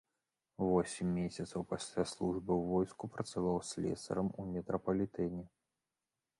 Восем месяцаў пасля службы ў войску працаваў слесарам у метрапалітэне.